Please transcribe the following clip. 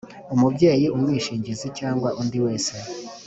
umubyeyi umwishingizi cyangwa undi wese